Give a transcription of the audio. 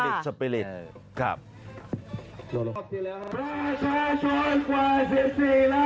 ไม่ได้เลือกเขามาเป็นผู้นำฝ่ายค้าน